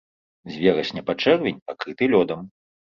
З верасня па чэрвень пакрыты лёдам.